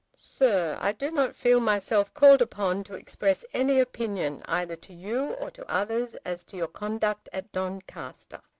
SIR, I do not feel myself called upon to express any opinion either to you or to others as to your conduct at Doncaster.